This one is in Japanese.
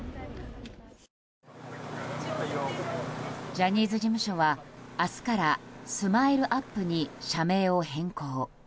ジャニーズ事務所は明日からＳＭＩＬＥ‐ＵＰ．に社名を変更。